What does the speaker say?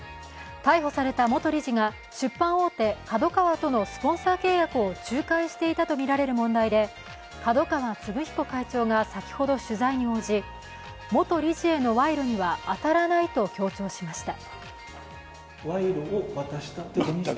逮捕された元理事が出版大手、ＫＡＤＯＫＡＷＡとのスポンサー契約を仲介していたとみられる問題で角川歴彦会長が先ほど取材に応じ元理事への賄賂には当たらないと強調しました。